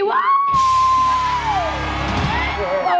ว้าว